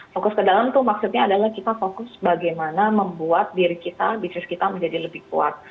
fokus ke dalam tuh maksudnya adalah kita fokus bagaimana membuat diri kita bisnis kita menjadi lebih kuat